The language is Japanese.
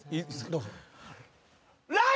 どうぞ。